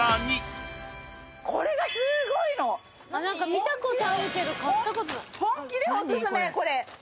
見たことあるけど買ったことない。